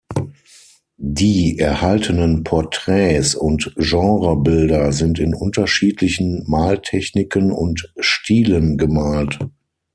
Die erhaltenen Porträts und Genrebilder sind in unterschiedlichen Maltechniken und -stilen gemalt.